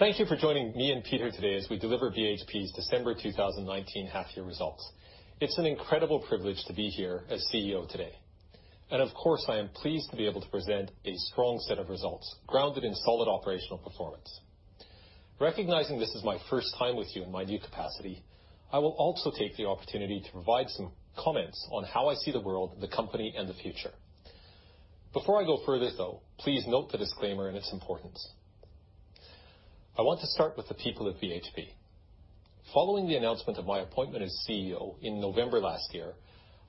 Thank you for joining me and Peter today as we deliver BHP's December 2019 half-year results. It's an incredible privilege to be here as CEO today, and of course, I am pleased to be able to present a strong set of results grounded in solid operational performance. Recognizing this is my first time with you in my new capacity, I will also take the opportunity to provide some comments on how I see the world, the company, and the future. Before I go further, though, please note the disclaimer and its importance. I want to start with the people at BHP. Following the announcement of my appointment as CEO in November last year,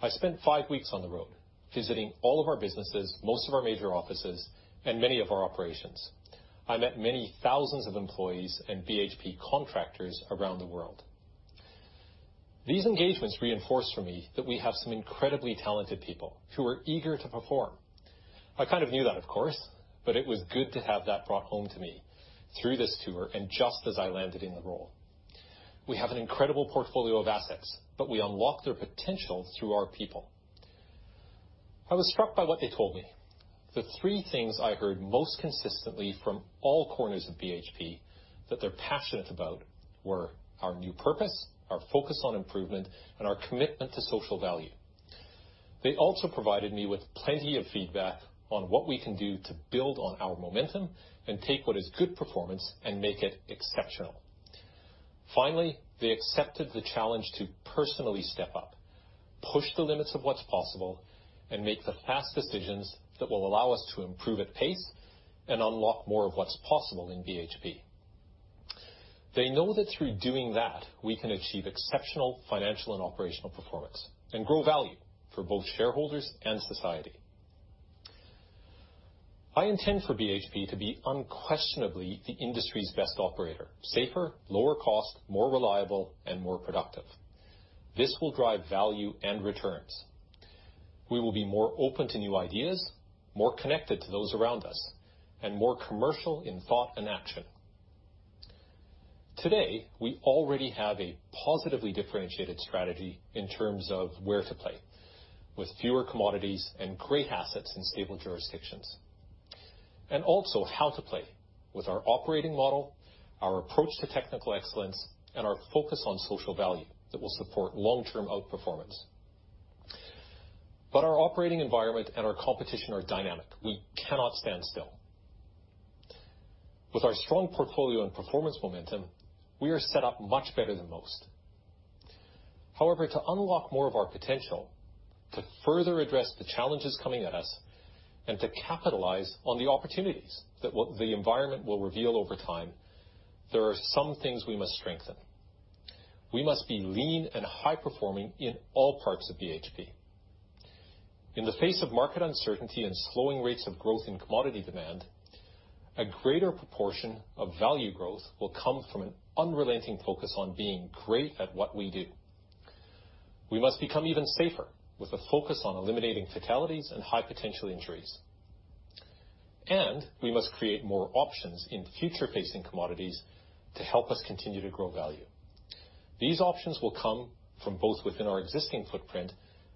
I spent five weeks on the road visiting all of our businesses, most of our major offices, and many of our operations. I met many thousands of employees and BHP contractors around the world. These engagements reinforced for me that we have some incredibly talented people who are eager to perform. I kind of knew that, of course, but it was good to have that brought home to me through this tour, and just as I landed in the role. We have an incredible portfolio of assets, but we unlock their potential through our people. I was struck by what they told me. The three things I heard most consistently from all corners of BHP that they're passionate about were our new purpose, our focus on improvement, and our commitment to social value. They also provided me with plenty of feedback on what we can do to build on our momentum and take what is good performance and make it exceptional. Finally, they accepted the challenge to personally step up, push the limits of what's possible, and make the fast decisions that will allow us to improve at pace and unlock more of what's possible in BHP. They know that through doing that, we can achieve exceptional financial and operational performance and grow value for both shareholders and society. I intend for BHP to be unquestionably the industry's best operator, safer, lower cost, more reliable, and more productive. This will drive value and returns. We will be more open to new ideas, more connected to those around us, and more commercial in thought and action. Today, we already have a positively differentiated strategy in terms of where to play, with fewer commodities and great assets in stable jurisdictions. Also how to play with our operating model, our approach to technical excellence, and our focus on social value that will support long-term outperformance. Our operating environment and our competition are dynamic. We cannot stand still. With our strong portfolio and performance momentum, we are set up much better than most. However, to unlock more of our potential, to further address the challenges coming at us, and to capitalize on the opportunities that the environment will reveal over time, there are some things we must strengthen. We must be lean and high-performing in all parts of BHP. In the face of market uncertainty and slowing rates of growth in commodity demand, a greater proportion of value growth will come from an unrelenting focus on being great at what we do. We must become even safer, with a focus on eliminating fatalities and high-potential injuries. We must create more options in future-facing commodities to help us continue to grow value. These options will come from both within our existing footprint,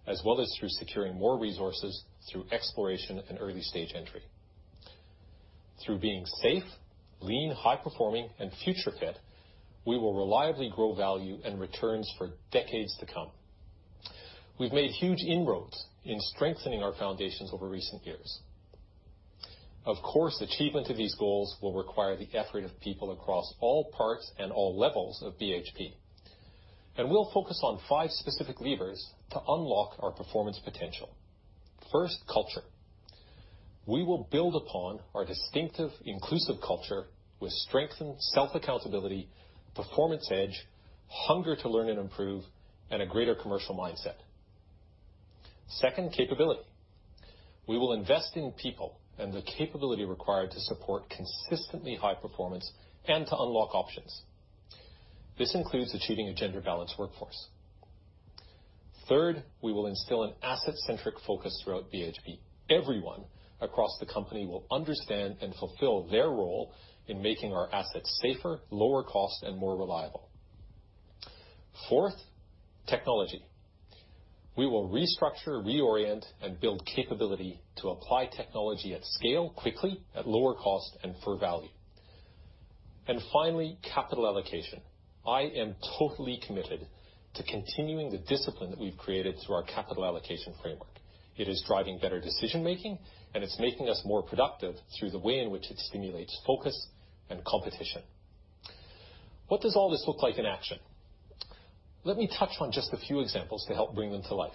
as well as through securing more resources through exploration and early-stage entry. Through being safe, lean, high-performing, and future-fit, we will reliably grow value and returns for decades to come. We've made huge inroads in strengthening our foundations over recent years. Of course, achievement of these goals will require the effort of people across all parts and all levels of BHP, and we'll focus on five specific levers to unlock our performance potential. First, culture. We will build upon our distinctive, inclusive culture with strengthened self-accountability, performance edge, hunger to learn and improve, and a greater commercial mindset. Second, capability. We will invest in people and the capability required to support consistently high performance and to unlock options. This includes achieving a gender-balanced workforce. Third, we will instill an asset-centric focus throughout BHP. Everyone across the company will understand and fulfill their role in making our assets safer, lower cost, and more reliable. Fourth, technology. We will restructure, reorient, and build capability to apply technology at scale quickly, at lower cost, and for value. Finally, capital allocation. I am totally committed to continuing the discipline that we've created through our capital allocation framework. It is driving better decision-making, and it's making us more productive through the way in which it stimulates focus and competition. What does all this look like in action? Let me touch on just a few examples to help bring them to life.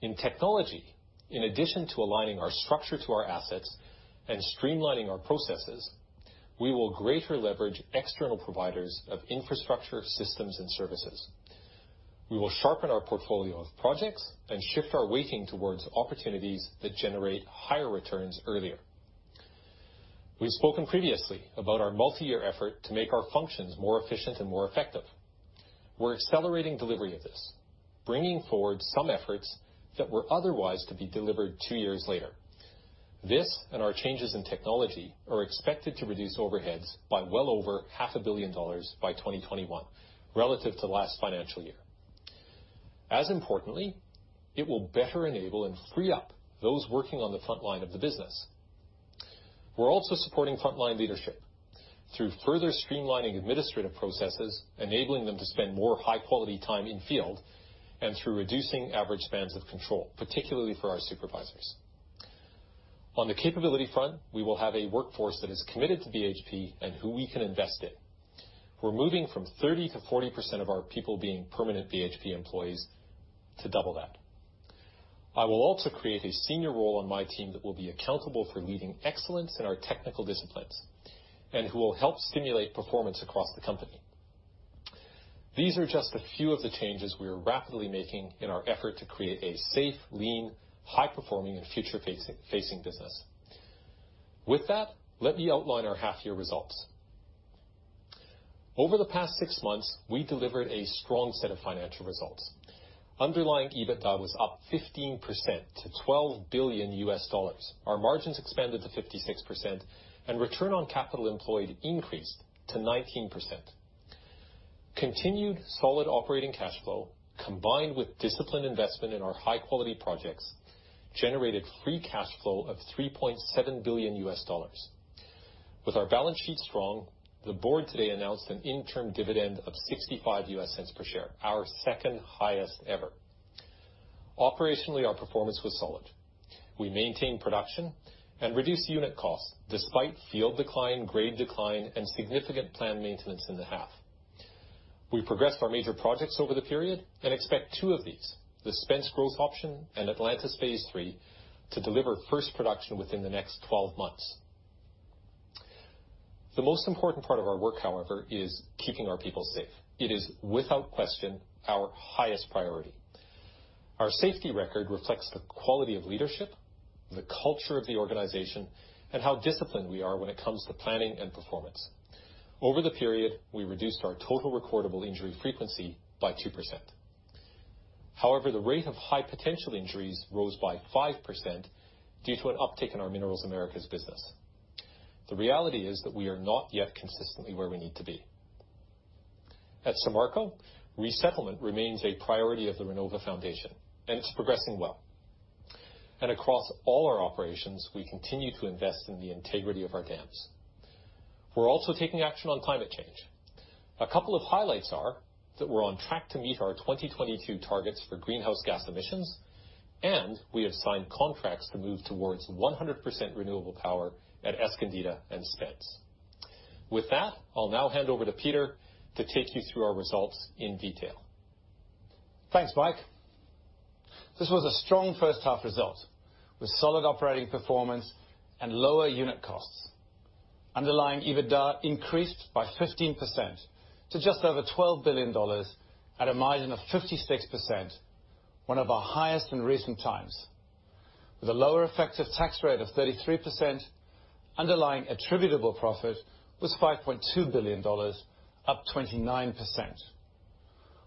In technology, in addition to aligning our structure to our assets and streamlining our processes, we will greatly leverage external providers of infrastructure, systems, and services. We will sharpen our portfolio of projects and shift our weighting towards opportunities that generate higher returns earlier. We've spoken previously about our multi-year effort to make our functions more efficient and more effective. We're accelerating delivery of this, bringing forward some efforts that were otherwise to be delivered two years later. This and our changes in technology are expected to reduce overheads by well over $500 million by 2021 relative to last financial year. As importantly, it will better enable and free up those working on the frontline of the business. We're also supporting frontline leadership through further streamlining administrative processes, enabling them to spend more high-quality time in field, and through reducing average spans of control, particularly for our supervisors. On the capability front, we will have a workforce that is committed to BHP and who we can invest in. We're moving from 30% to 40% of our people being permanent BHP employees, to double that. I will also create a senior role on my team that will be accountable for leading excellence in our technical disciplines, and who will help stimulate performance across the company. These are just a few of the changes we are rapidly making in our effort to create a safe, lean, high-performing, and future-facing business. With that, let me outline our half-year results. Over the past six months, we delivered a strong set of financial results. Underlying EBITDA was up 15% to $12 billion. Our margins expanded to 56%, and return on capital employed increased to 19%. Continued solid operating cash flow, combined with disciplined investment in our high-quality projects, generated free cash flow of $3.7 billion. With our balance sheet strong, the board today announced an interim dividend of $0.65 per share, our second highest ever. Operationally, our performance was solid. We maintained production and reduced unit costs despite field decline, grade decline, and significant planned maintenance in the half. We progressed our major projects over the period and expect two of these, the Spence Growth Option and Atlantis Phase 3, to deliver first production within the next 12 months. The most important part of our work, however, is keeping our people safe. It is, without question, our highest priority. Our safety record reflects the quality of leadership, the culture of the organization, and how disciplined we are when it comes to planning and performance. Over the period, we reduced our total recordable injury frequency by 2%. However, the rate of high-potential injuries rose by 5% due to an uptick in our Minerals Americas business. The reality is that we are not yet consistently where we need to be. At Samarco, resettlement remains a priority of the Renova Foundation, it's progressing well. Across all our operations, we continue to invest in the integrity of our dams. We're also taking action on climate change. A couple of highlights are that we're on track to meet our 2022 targets for greenhouse gas emissions, and we have signed contracts to move towards 100% renewable power at Escondida and Spence. With that, I'll now hand over to Peter to take you through our results in detail. Thanks, Mike. This was a strong first half result with solid operating performance and lower unit costs. Underlying EBITDA increased by 15% to just over $12 billion at a margin of 56%, one of our highest in recent times. With a lower effective tax rate of 33%, underlying attributable profit was $5.2 billion, up 29%.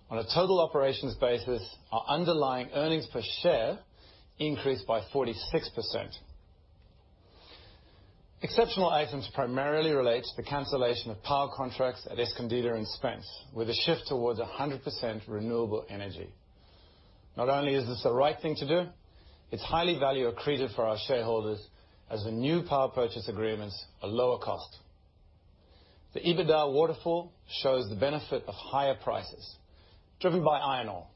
On a total operations basis, our underlying earnings per share increased by 46%. Exceptional items primarily relate to the cancellation of power contracts at Escondida and Spence, with a shift towards 100% renewable energy. Not only is this the right thing to do, it's highly value accretive for our shareholders as the new power purchase agreements are lower cost. The EBITDA waterfall shows the benefit of higher prices driven by iron ore.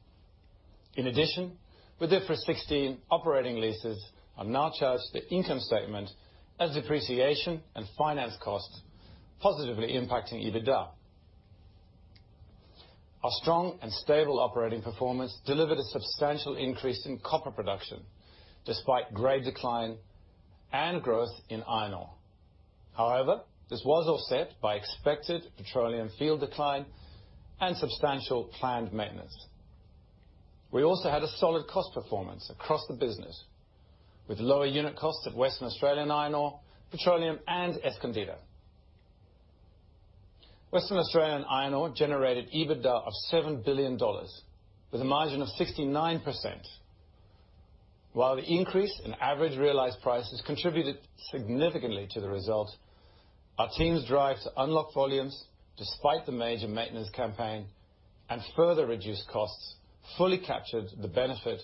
With IFRS 16, operating leases are now charged to the income statement as depreciation and finance costs, positively impacting EBITDA. Our strong and stable operating performance delivered a substantial increase in copper production, despite grade decline and growth in iron ore. This was offset by expected Petroleum field decline and substantial planned maintenance. We also had a solid cost performance across the business with lower unit costs at Western Australia Iron Ore, Petroleum, and Escondida. Western Australia Iron Ore generated EBITDA of $7 billion with a margin of 69%. The increase in average realized prices contributed significantly to the result, our team's drive to unlock volumes despite the major maintenance campaign and further reduce costs fully captured the benefit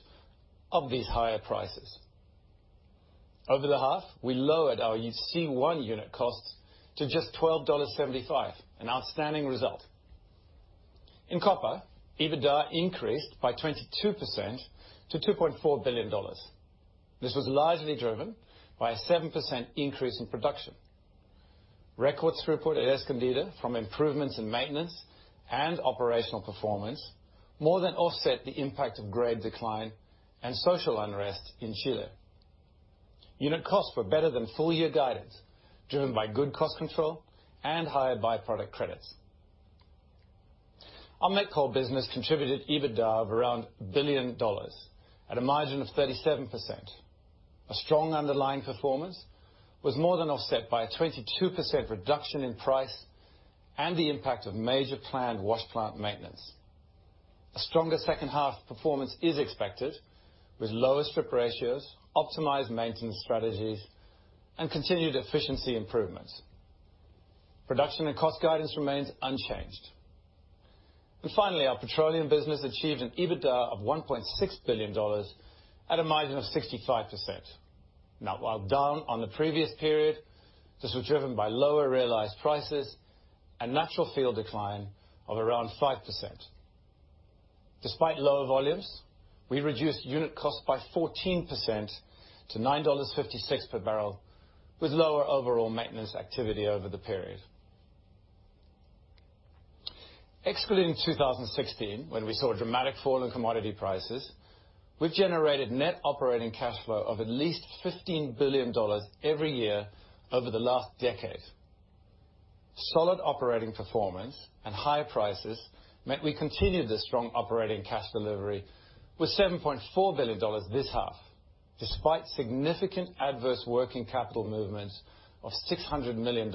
of these higher prices. Over the half, we lowered our C1 unit costs to just $12.75, an outstanding result. In copper, EBITDA increased by 22% to $2.4 billion. This was largely driven by a 7% increase in production. Record throughput at Escondida from improvements in maintenance and operational performance more than offset the impact of grade decline and social unrest in Chile. Unit costs were better than full-year guidance, driven by good cost control and higher by-product credits. Our met coal business contributed EBITDA of around $1 billion at a margin of 37%. A strong underlying performance was more than offset by a 22% reduction in price and the impact of major planned wash plant maintenance. A stronger second half performance is expected with lower strip ratios, optimized maintenance strategies, and continued efficiency improvements. Production and cost guidance remains unchanged. Finally, our Petroleum business achieved an EBITDA of $1.6 billion at a margin of 65%. While down on the previous period, this was driven by lower realized prices and natural field decline of around 5%. Despite lower volumes, we reduced unit costs by 14% to $9.56 per barrel, with lower overall maintenance activity over the period. Excluding 2016, when we saw a dramatic fall in commodity prices, we've generated net operating cash flow of at least $15 billion every year over the last decade. Solid operating performance and high prices meant we continued this strong operating cash delivery with $7.4 billion this half, despite significant adverse working capital movements of $600 million.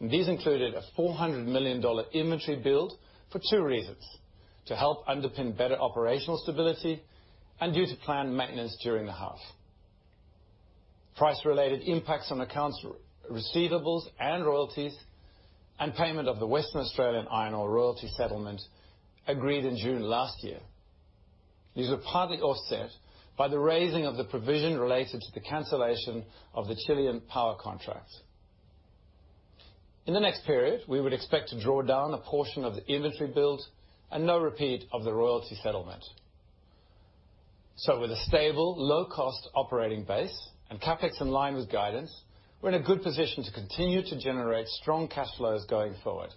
These included a $400 million inventory build for two reasons: to help underpin better operational stability and due to planned maintenance during the half. Price-related impacts on accounts receivables and royalties and payment of the Western Australia Iron Ore royalty settlement agreed in June last year. These were partly offset by the raising of the provision related to the cancellation of the Chilean power contract. In the next period, we would expect to draw down a portion of the inventory build and no repeat of the royalty settlement. With a stable low-cost operating base and CapEx in line with guidance, we're in a good position to continue to generate strong cash flows going forward.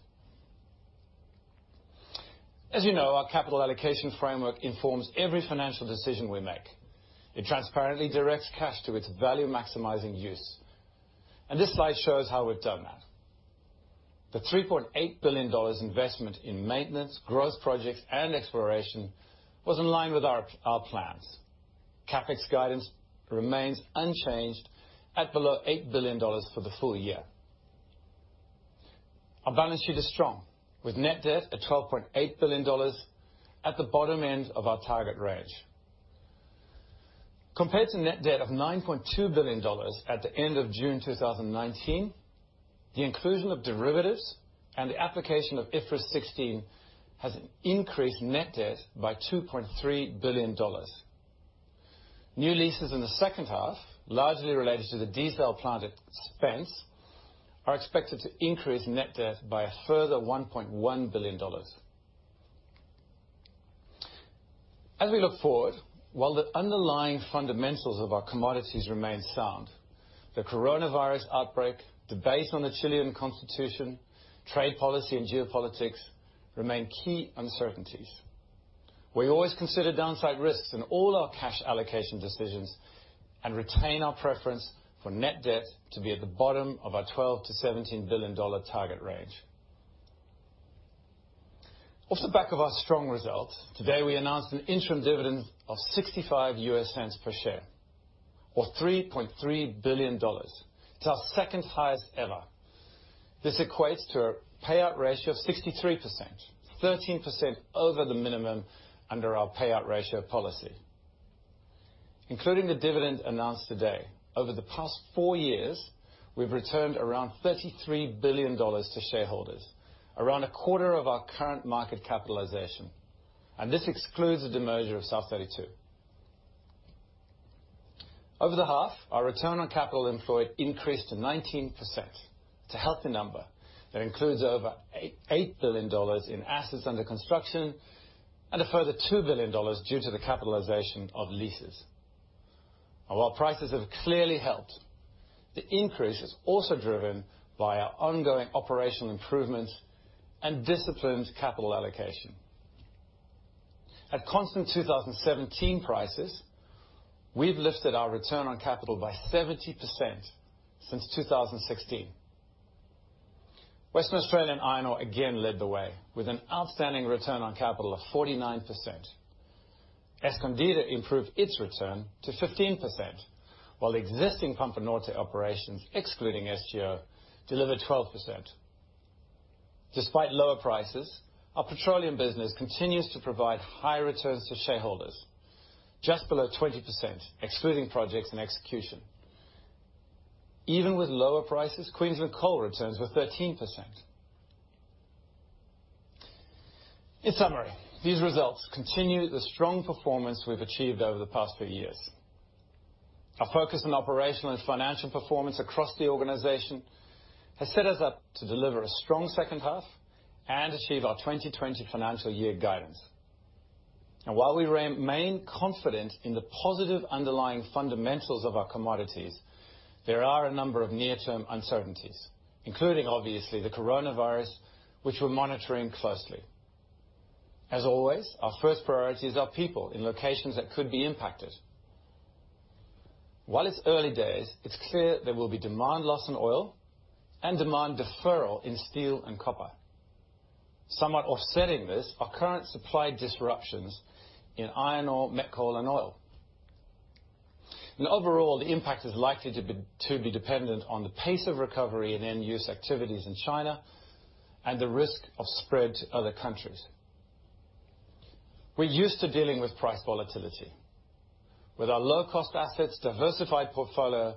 As you know, our capital allocation framework informs every financial decision we make. It transparently directs cash to its value-maximizing use. This slide shows how we've done that. The $3.8 billion investment in maintenance, growth projects, and exploration was in line with our plans. CapEx guidance remains unchanged at below $8 billion for the full year. Our balance sheet is strong, with net debt at $12.8 billion at the bottom end of our target range. Compared to net debt of $9.2 billion at the end of June 2019, the inclusion of derivatives and the application of IFRS 16 has increased net debt by $2.3 billion. New leases in the second half, largely related to the diesel plant at Spence, are expected to increase net debt by a further $1.1 billion. While the underlying fundamentals of our commodities remain sound, the coronavirus outbreak, debate on the Chilean constitution, trade policy, and geopolitics remain key uncertainties. We always consider downside risks in all our cash allocation decisions and retain our preference for net debt to be at the bottom of our $12 billion-$17 billion target range. Off the back of our strong result, today we announced an interim dividend of $0.65 per share, or $3.3 billion. It's our second highest ever. This equates to a payout ratio of 63%, 13% over the minimum under our payout ratio policy. Including the dividend announced today, over the past four years, we've returned around $33 billion to shareholders, around a quarter of our current market capitalization, and this excludes the demerger of South32. Over the half, our return on capital employed increased to 19%. It's a healthy number that includes over $8 billion in assets under construction and a further $2 billion due to the capitalization of leases. While prices have clearly helped, the increase is also driven by our ongoing operational improvements and disciplined capital allocation. At constant 2017 prices, we've lifted our return on capital by 70% since 2016. Western Australia Iron Ore again led the way with an outstanding return on capital of 49%. Escondida improved its return to 15%, while existing Pampa Norte operations, excluding SGO, delivered 12%. Despite lower prices, our Petroleum business continues to provide high returns to shareholders, just below 20%, excluding projects and execution. Even with lower prices, Queensland Coal returns were 13%. In summary, these results continue the strong performance we've achieved over the past few years. Our focus on operational and financial performance across the organization has set us up to deliver a strong second half and achieve our 2020 financial year guidance. While we remain confident in the positive underlying fundamentals of our commodities, there are a number of near-term uncertainties, including, obviously, the coronavirus, which we're monitoring closely. As always, our first priority is our people in locations that could be impacted. While it's early days, it's clear there will be demand loss in oil and demand deferral in steel and copper. Somewhat offsetting this are current supply disruptions in iron ore, met coal, and oil. Overall, the impact is likely to be dependent on the pace of recovery and end-use activities in China and the risk of spread to other countries. We're used to dealing with price volatility. With our low-cost assets, diversified portfolio,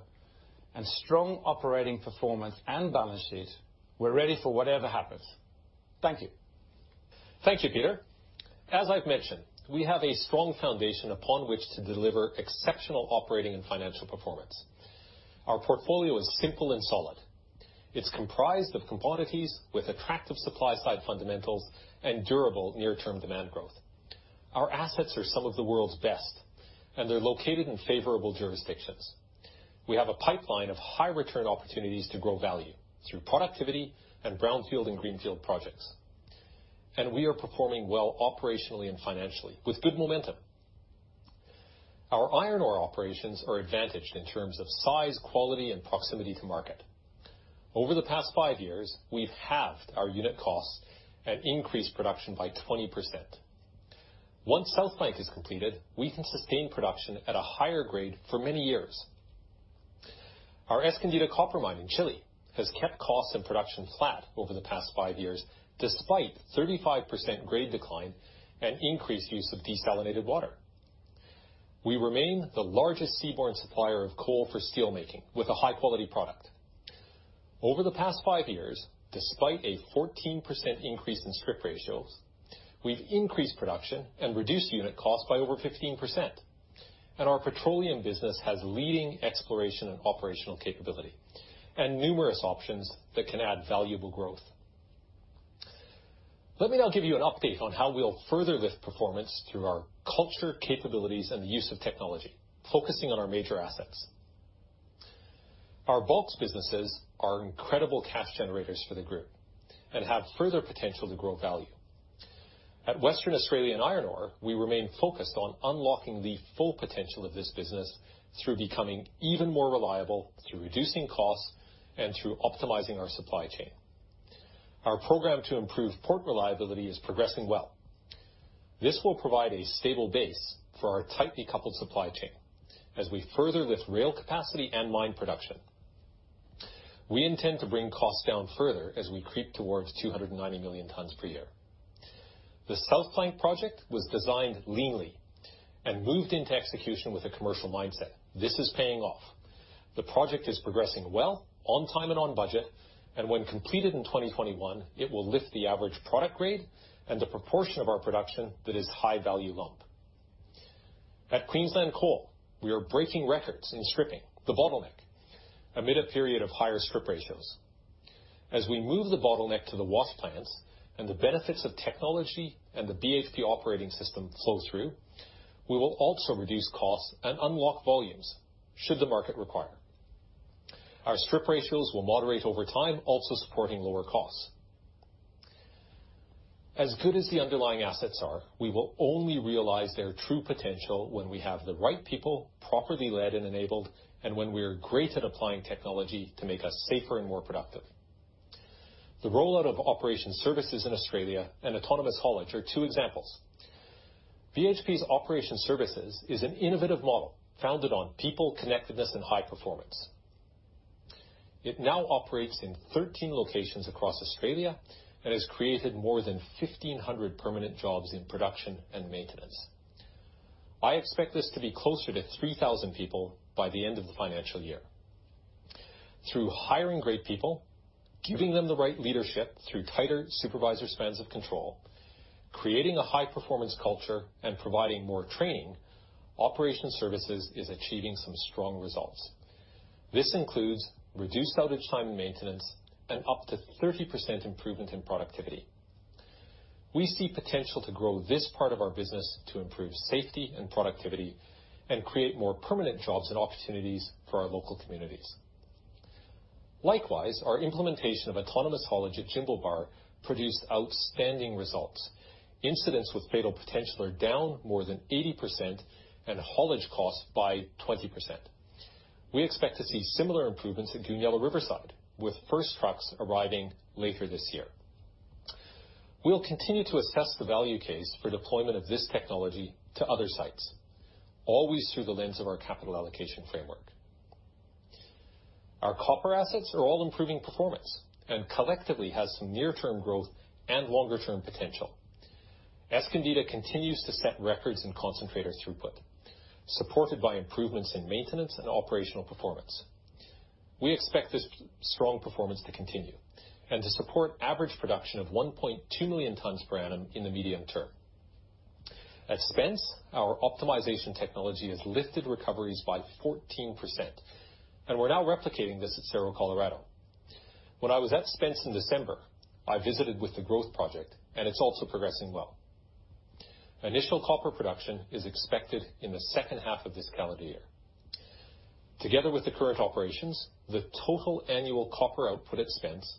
and strong operating performance and balance sheet, we're ready for whatever happens. Thank you. Thank you, Peter. As I've mentioned, we have a strong foundation upon which to deliver exceptional operating and financial performance. Our portfolio is simple and solid. It's comprised of commodities with attractive supply side fundamentals and durable near-term demand growth. Our assets are some of the world's best. They're located in favorable jurisdictions. We have a pipeline of high return opportunities to grow value through productivity and brownfield and greenfield projects. We are performing well operationally and financially with good momentum. Our iron ore operations are advantaged in terms of size, quality, and proximity to market. Over the past five years, we've halved our unit costs and increased production by 20%. Once South Flank is completed, we can sustain production at a higher grade for many years. Our Escondida copper mine in Chile has kept costs and production flat over the past five years, despite 35% grade decline and increased use of desalinated water. We remain the largest seaborne supplier of coal for steel making with a high-quality product. Over the past five years, despite a 14% increase in strip ratios, we've increased production and reduced unit cost by over 15%. Our Petroleum business has leading exploration and operational capability and numerous options that can add valuable growth. Let me now give you an update on how we'll further lift performance through our culture capabilities and the use of technology, focusing on our major assets. Our bulks businesses are incredible cash generators for the group and have further potential to grow value. At Western Australia Iron Ore, we remain focused on unlocking the full potential of this business through becoming even more reliable, through reducing costs, and through optimizing our supply chain. Our program to improve port reliability is progressing well. This will provide a stable base for our tightly coupled supply chain as we further lift rail capacity and mine production. We intend to bring costs down further as we creep towards 290 million tons per year. The South Flank Project was designed leanly and moved into execution with a commercial mindset. This is paying off. The project is progressing well, on time and on budget, and when completed in 2021, it will lift the average product grade and the proportion of our production that is high-value lump. At Queensland Coal, we are breaking records in stripping the bottleneck amid a period of higher strip ratios. As we move the bottleneck to the wash plants and the benefits of technology and the BHP Operating System flow through, we will also reduce costs and unlock volumes should the market require. Our strip ratios will moderate over time, also supporting lower costs. As good as the underlying assets are, we will only realize their true potential when we have the right people, properly led and enabled, and when we are great at applying technology to make us safer and more productive. The rollout of Operations Services in Australia and autonomous haulage are two examples. BHP's Operations Services is an innovative model founded on people connectedness and high performance. It now operates in 13 locations across Australia and has created more than 1,500 permanent jobs in production and maintenance. I expect this to be closer to 3,000 people by the end of the financial year. Through hiring great people, giving them the right leadership through tighter supervisor spans of control, creating a high-performance culture, and providing more training, Operations Services is achieving some strong results. This includes reduced outage time and maintenance and up to 30% improvement in productivity. We see potential to grow this part of our business to improve safety and productivity and create more permanent jobs and opportunities for our local communities. Likewise, our implementation of autonomous haulage at Jimblebar produced outstanding results. Incidents with fatal potential are down more than 80% and haulage costs by 20%. We expect to see similar improvements at Goonyella Riverside, with first trucks arriving later this year. We'll continue to assess the value case for deployment of this technology to other sites, always through the lens of our capital allocation framework. Our copper assets are all improving performance and collectively has some near-term growth and longer-term potential. Escondida continues to set records in concentrator throughput, supported by improvements in maintenance and operational performance. We expect this strong performance to continue and to support average production of 1.2 million tons per annum in the medium term. At Spence, our optimization technology has lifted recoveries by 14%, and we're now replicating this at Cerro Colorado. When I was at Spence in December, I visited with the growth project, and it's also progressing well. Initial copper production is expected in the second half of this calendar year. Together with the current operations, the total annual copper output at Spence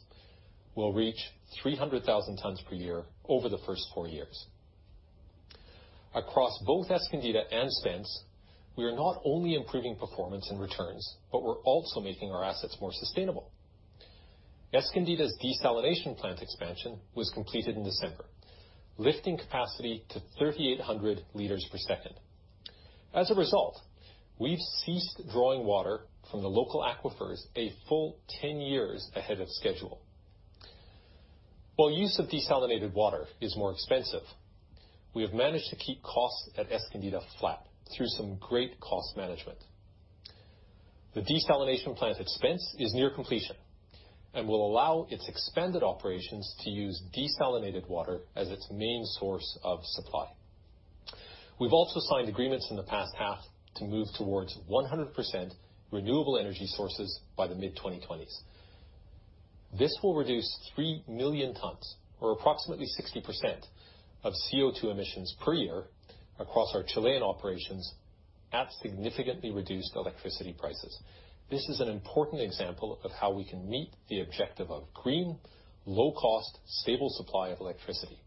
will reach 300,000 tons per year over the first four years. Across both Escondida and Spence, we are not only improving performance and returns, but we're also making our assets more sustainable. Escondida's desalination plant expansion was completed in December, lifting capacity to 3,800 L/s. As a result, we've ceased drawing water from the local aquifers a full 10 years ahead of schedule. While use of desalinated water is more expensive, we have managed to keep costs at Escondida flat through some great cost management. The desalination plant at Spence is near completion and will allow its expanded operations to use desalinated water as its main source of supply. We've also signed agreements in the past half to move towards 100% renewable energy sources by the mid-2020s. This will reduce 3 million tons, or approximately 60%, of CO2 emissions per year across our Chilean operations at significantly reduced electricity prices. This is an important example of how we can meet the objective of green, low-cost, stable supply of electricity.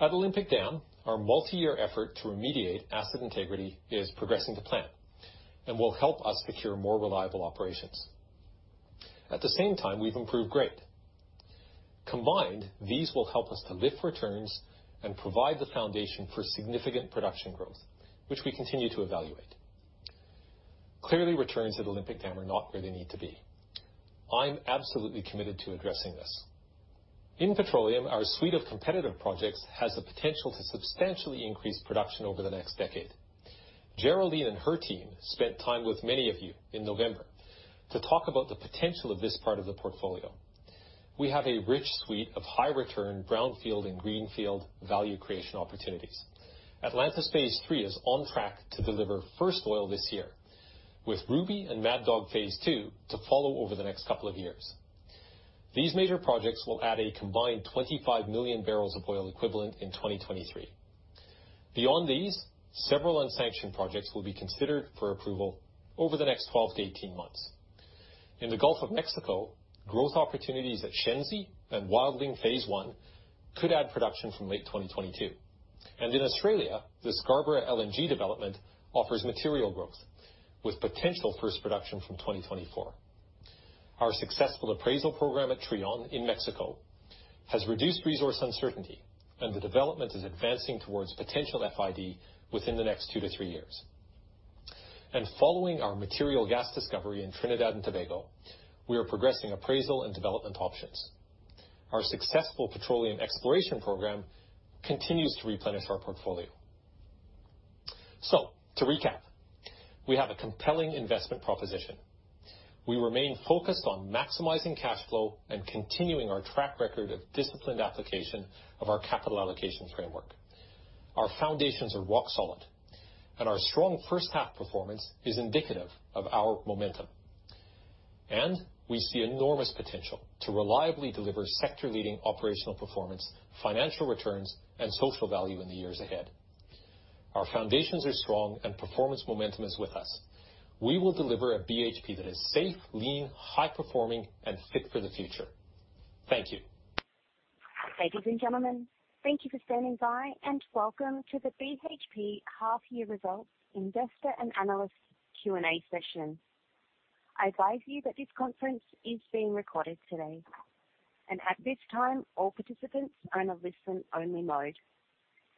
At Olympic Dam, our multi-year effort to remediate asset integrity is progressing to plan and will help us secure more reliable operations. At the same time, we've improved grade. Combined, these will help us to lift returns and provide the foundation for significant production growth, which we continue to evaluate. Clearly, returns at Olympic Dam are not where they need to be. I'm absolutely committed to addressing this. In Petroleum, our suite of competitive projects has the potential to substantially increase production over the next decade. Geraldine and her team spent time with many of you in November to talk about the potential of this part of the portfolio. We have a rich suite of high-return brownfield and greenfield value creation opportunities. Atlantis Phase 3 is on track to deliver first oil this year, with Ruby and Mad Dog Phase 2 to follow over the next couple of years. These major projects will add a combined 25 million barrels of oil equivalent in 2023. Beyond these, several unsanctioned projects will be considered for approval over the next 12-18 months. In the Gulf of Mexico, growth opportunities at Shenzi and Wildling Phase 1 could add production from late 2022. In Australia, the Scarborough LNG development offers material growth, with potential first production from 2024. Our successful appraisal program at Trion in Mexico has reduced resource uncertainty, and the development is advancing towards potential FID within the next two to three years. Following our material gas discovery in Trinidad and Tobago, we are progressing appraisal and development options. Our successful petroleum exploration program continues to replenish our portfolio. To recap, we have a compelling investment proposition. We remain focused on maximizing cash flow and continuing our track record of disciplined application of our capital allocation framework. Our foundations are rock solid, our strong first-half performance is indicative of our momentum. We see enormous potential to reliably deliver sector-leading operational performance, financial returns, and social value in the years ahead. Our foundations are strong and performance momentum is with us. We will deliver a BHP that is safe, lean, high-performing, and fit for the future. Thank you. Ladies and gentlemen, thank you for standing by, and welcome to the BHP half year results investor and analyst Q&A session. I advise you that this conference is being recorded today. At this time, all participants are in a listen-only mode.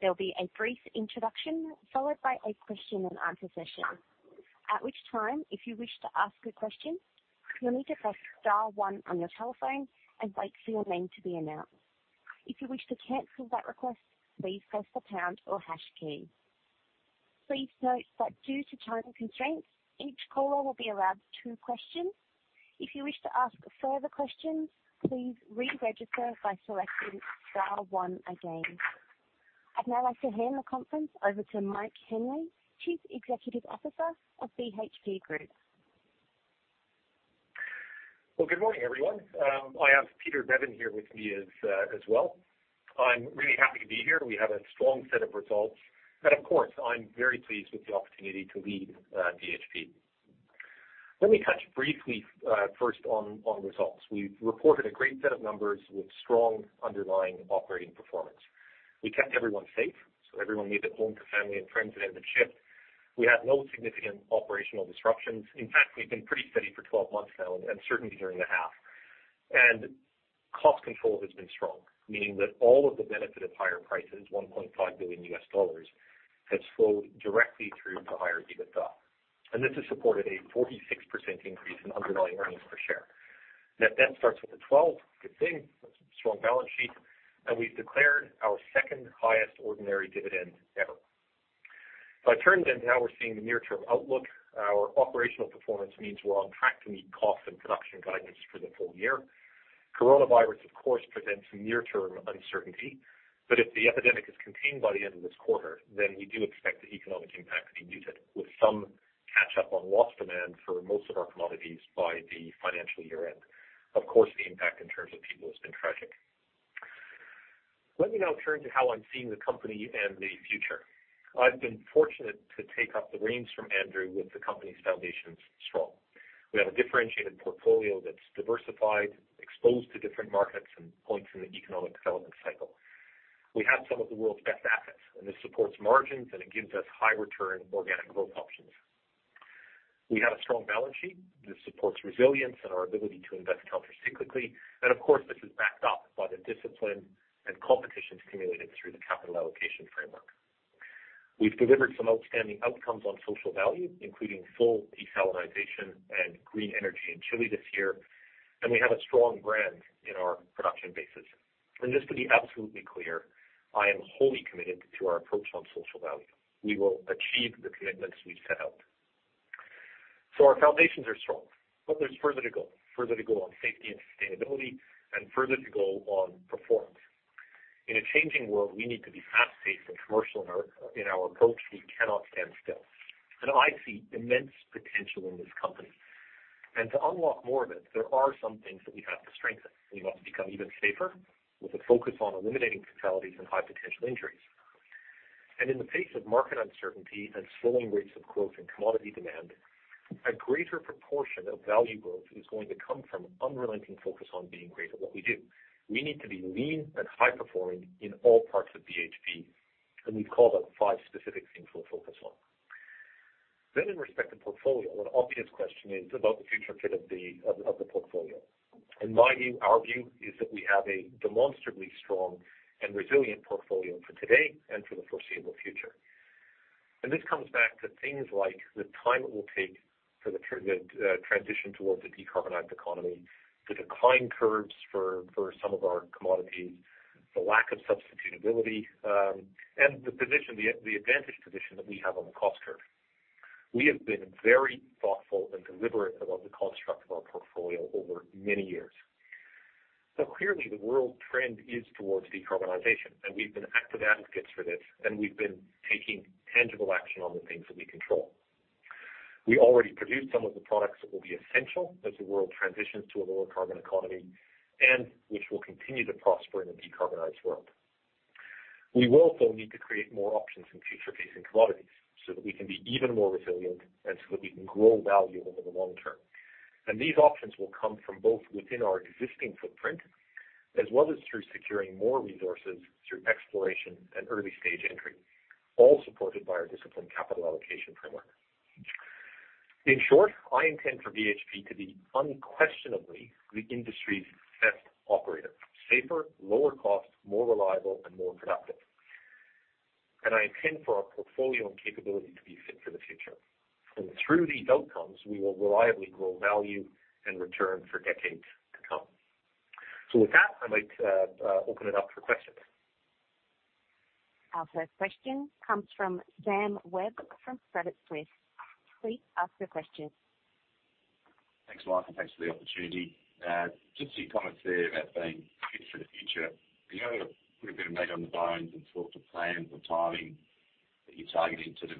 There'll be a brief introduction followed by a question and answer session. At which time, if you wish to ask a question, you'll need to press star one on your telephone and wait for your name to be announced. If you wish to cancel that request, please press the pound or hash key. Please note that due to time constraints, each caller will be allowed two questions. If you wish to ask further questions, please re-register by selecting star one again. I'd now like to hand the conference over to Mike Henry, Chief Executive Officer of BHP Group. Well, good morning, everyone. I have Peter Beaven here with me as well. I'm really happy to be here. We have a strong set of results. Of course, I'm very pleased with the opportunity to lead BHP. Let me touch briefly first on results. We've reported a great set of numbers with strong underlying operating performance. We kept everyone safe, so everyone made it home to family and friends at the end of the shift. We had no significant operational disruptions. In fact, we've been pretty steady for 12 months now, and certainly during the half. Cost control has been strong, meaning that all of the benefit of higher prices, $1.5 billion, has flowed directly through to higher EBITDA. This has supported a 46% increase in underlying earnings per share. Net debt starts with a 12, good thing. That's a strong balance sheet. We've declared our second-highest ordinary dividend ever. If I turn then to how we're seeing the near-term outlook, our operational performance means we're on track to meet cost and production guidance for the full year. Coronavirus, of course, presents near-term uncertainty, but if the epidemic is contained by the end of this quarter, then we do expect the economic impact to be muted with some catch-up on lost demand for most of our commodities by the financial year-end. Of course, the impact in terms of people has been tragic. Let me now turn to how I'm seeing the company and the future. I've been fortunate to take up the reins from Andrew with the company's foundations strong. We have a differentiated portfolio that's diversified, exposed to different markets and points in the economic development cycle. We have some of the world's best assets, and this supports margins and it gives us high-return organic growth options. We have a strong balance sheet that supports resilience and our ability to invest counter-cyclically, and of course, this is backed up by the discipline and competition accumulated through the capital allocation framework. We've delivered some outstanding outcomes on social value, including full decarbonization and green energy in Chile this year, and we have a strong brand in our production bases. Just to be absolutely clear, I am wholly committed to our approach on social value. We will achieve the commitments we've set out. Our foundations are strong, but there's further to go. Further to go on safety and sustainability, and further to go on performance. In a changing world, we need to be fast-paced and commercial in our approach. We cannot stand still. I see immense potential in this company. To unlock more of it, there are some things that we have to strengthen. We must become even safer, with a focus on eliminating fatalities and high-potential injuries. In the face of market uncertainty and slowing rates of growth in commodity demand, a greater proportion of value growth is going to come from unrelenting focus on being great at what we do. We need to be lean and high-performing in all parts of BHP, and we've called out five specific things we'll focus on. In respect to portfolio, an obvious question is about the future fit of the portfolio. In my view, our view, is that we have a demonstrably strong and resilient portfolio for today and for the foreseeable future. This comes back to things like the time it will take for the transition towards a decarbonized economy, the decline curves for some of our commodities, the lack of substitutability, and the advantaged position that we have on the cost curve. We have been very thoughtful and deliberate about the construct of our portfolio over many years. Clearly the world trend is towards decarbonization, and we've been active advocates for this, and we've been taking tangible action on the things that we control. We already produce some of the products that will be essential as the world transitions to a lower carbon economy, and which will continue to prosper in a decarbonized world. We will also need to create more options in future-facing commodities so that we can be even more resilient and so that we can grow value over the long term. These options will come from both within our existing footprint, as well as through securing more resources through exploration and early-stage entry, all supported by our disciplined capital allocation framework. In short, I intend for BHP to be unquestionably the industry's best operator: safer, lower cost, more reliable, and more productive. I intend for our portfolio and capability to be fit for the future. Through these outcomes, we will reliably grow value and return for decades to come. With that, I'd like to open it up for questions. Our first question comes from Sam Webb from Credit Suisse. Please ask your question. Thanks, Mike, and thanks for the opportunity. Just your comments there about being fit for the future, can you put a bit of meat on the bones and talk to plans and timing that you're targeting to the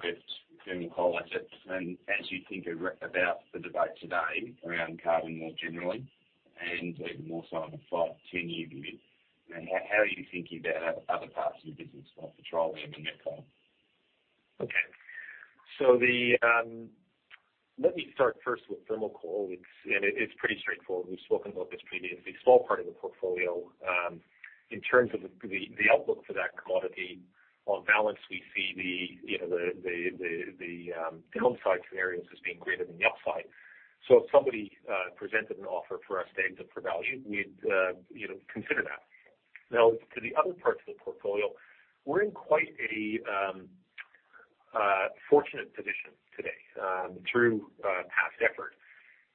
thermal coal assets and as you think about the debate today around carbon more generally, and even more so on a five, 10-year view? How are you thinking about other parts of your business like petroleum and met coal? Okay. Let me start first with thermal coal. It's pretty straightforward. We've spoken about this previously. Small part of the portfolio. In terms of the outlook for that commodity, on balance, we see the downside scenarios as being greater than the upside. If somebody presented an offer for us that they think was of value, we'd consider that. To the other parts of the portfolio, we're in quite a fortunate position today, through past effort,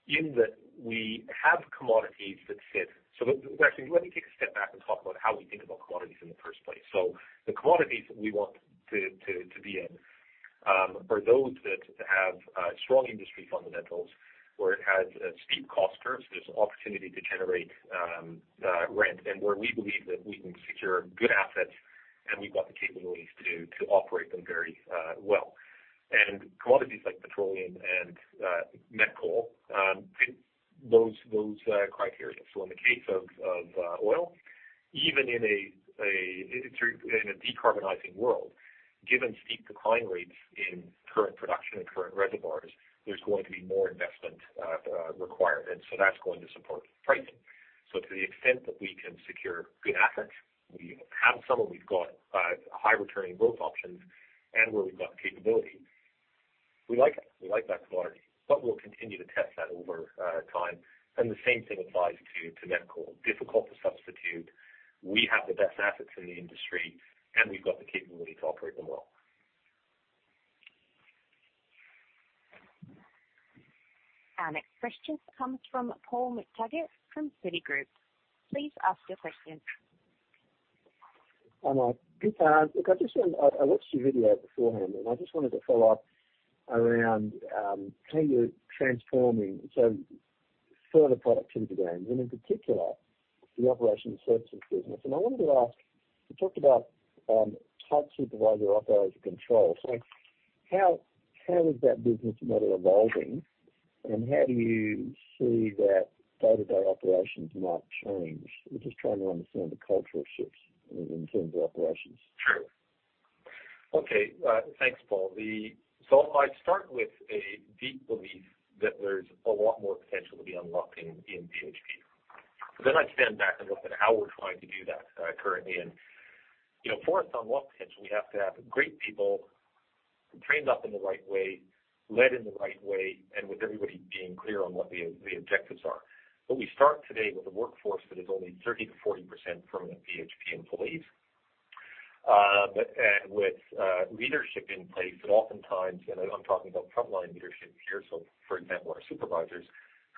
in that we have commodities that fit. Actually, let me take a step back and talk about how we think about commodities in the first place. The commodities that we want to be in are those that have strong industry fundamentals, where it has steep cost curves, there's opportunity to generate rent, and where we believe that we can secure good assets and we've got the capabilities to operate them very well. Commodities like petroleum and met coal fit those criteria. In the case of oil, even in a decarbonizing world, given steep decline rates in current production and current reservoirs, there's going to be more investment required, and so that's going to support pricing. To the extent that we can secure good assets, we have some where we've got high returning growth options and where we've got the capability. We like it. We like that commodity. We'll continue to test that over time. The same thing applies to met coal. Difficult to substitute. We have the best assets in the industry, and we've got the capability to operate them well. Our next question comes from Paul McTaggart from Citigroup. Please ask your question. Hi, Mike. I watched your video beforehand. I just wanted to follow up around how you're transforming further productivity gains, and in particular, the Operations Services business. I wanted to ask, you talked about tight supervisor operator control. How is that business model evolving, and how do you see that day-to-day operations might change? I'm just trying to understand the cultural shifts in terms of operations. Okay. Thanks, Paul. I start with a deep belief that there's a lot more potential to be unlocking in BHP. Then I stand back and look at how we're trying to do that currently. For us to unlock potential, we have to have great people trained up in the right way, led in the right way, and with everybody being clear on what the objectives are. We start today with a workforce that is only 30%-40% permanent BHP employees. With leadership in place, oftentimes, I'm talking about frontline leadership here, so for example, our supervisors,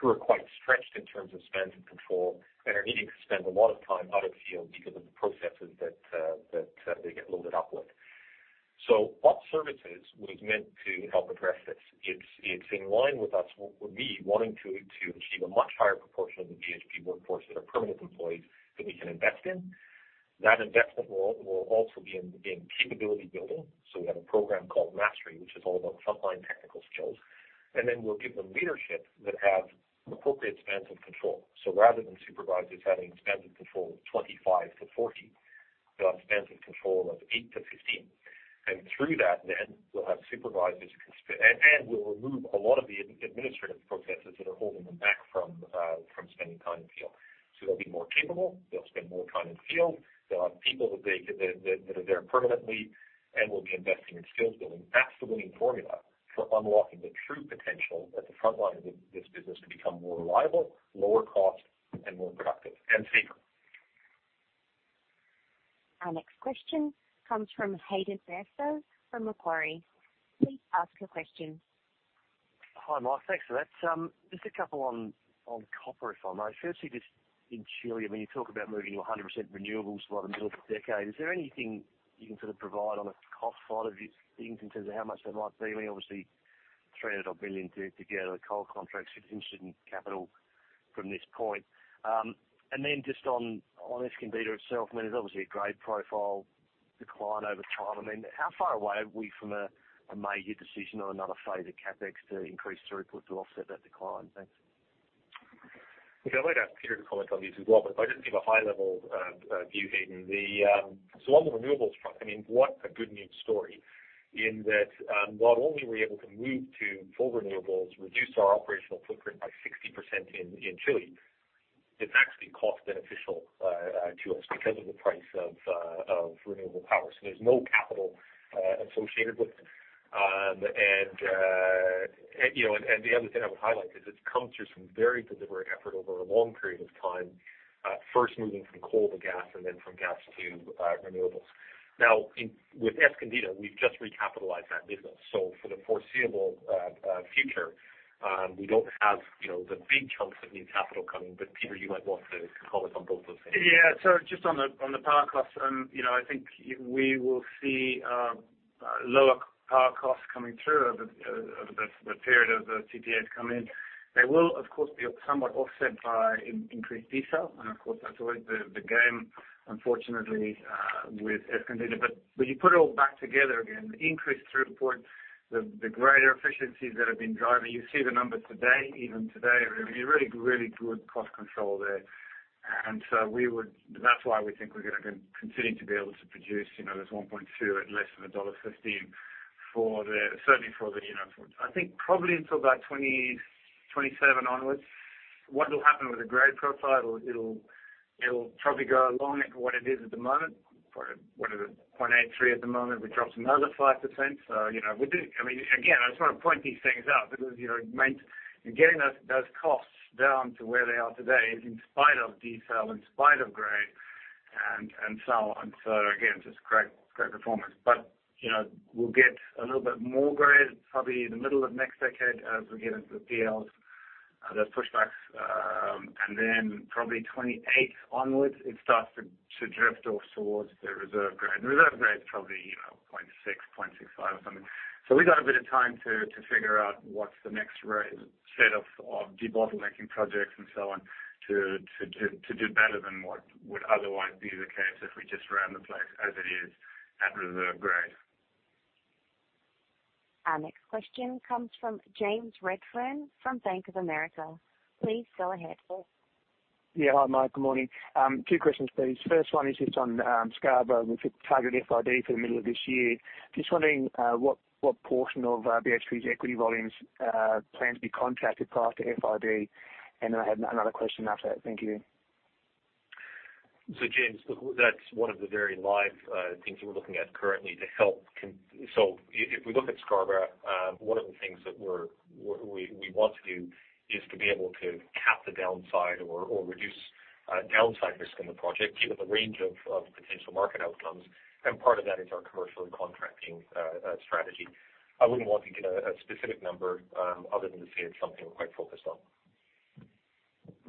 who are quite stretched in terms of span of control and are needing to spend a lot of time out of field because of the processes that they get loaded up with. Ops Services was meant to help address this. It's in line with us, with me, wanting to achieve a much higher proportion of the BHP workforce that are permanent employees that we can invest in. That investment will also be in capability building. We have a program called Mastery, which is all about frontline technical skills. We'll give them leadership that have appropriate spans of control. Rather than supervisors having spans of control of 25-40, they'll have spans of control of 8-15. We'll remove a lot of the administrative processes that are holding them back from spending time in field. They'll be more capable. They'll spend more time in field. They'll have people that are there permanently and will be investing in skills building. That's the winning formula for unlocking the true potential at the front line of this business to become more reliable, lower cost, and more productive and safer. Our next question comes from Hayden Bairstow from Macquarie. Please ask your question. Hi, Mike. Thanks for that. Just a couple on copper, if I may. Just in Chile, when you talk about moving to 100% renewables by the middle of the decade, is there anything you can provide on a cost side of things in terms of how much that might be? $300-odd billion to get out of the coal contracts if you're interested in capital from this point. Just on Escondida itself, there's obviously a grade profile decline over time. How far away are we from a major decision on another phase of CapEx to increase throughput to offset that decline? Thanks. Okay. I'd like to have Peter comment on this as well. If I can give a high-level view, Hayden. On the renewables front, what a good news story in that not only were we able to move to full renewables, reduce our operational footprint by 60% in Chile, it's actually cost beneficial to us because of the price of renewable power. There's no capital associated with it. The other thing I would highlight is it's come through some very deliberate effort over a long period of time. First moving from coal to gas and then from gas to renewables. With Escondida, we've just recapitalized that business. For the foreseeable future, we don't have the big chunks of new capital coming. Peter, you might want to comment on both those things. Just on the power costs, I think we will see lower power costs coming through over the period of the PPA to come in. They will, of course, be somewhat offset by increased diesel, and of course, that's always the game, unfortunately, with Escondida. When you put it all back together again, the increased throughput, the greater efficiencies that have been driving. You see the numbers today, even today, I mean, really good cost control there. That's why we think we're going to continue to be able to produce this 1.2 at less than $1.15 certainly for the I think probably until about 2027 onwards. What will happen with the grade profile, it'll probably go along at what it is at the moment. What is it? 0.83 at the moment, which drops another 5%. Again, I just want to point these things out because getting those costs down to where they are today is in spite of diesel, in spite of grade, and so on. Again, just great performance. We'll get a little bit more grades probably in the middle of next decade as we get into the deeps, those pushbacks. Then probably 2028 onwards, it starts to drift off towards the reserve grade. Reserve grade is probably 0.6, 0.65 or something. We got a bit of time to figure out what's the next set of debottlenecking projects and so on to do better than what would otherwise be the case if we just ran the place as it is at reserve grade. Our next question comes from James Redfern from Bank of America. Please go ahead. Yeah. Hi, Mike. Good morning. Two questions, please. First one is just on Scarborough with the targeted FID for the middle of this year. Just wondering what portion of BHP's equity volumes plan to be contracted prior to FID. I have another question after that. Thank you. James, look, that's one of the very live things that we're looking at currently. If we look at Scarborough, one of the things that we want to do is to be able to cap the downside or reduce downside risk in the project, given the range of potential market outcomes. Part of that is our commercial and contracting strategy. I wouldn't want to give a specific number other than to say it's something we're quite focused on.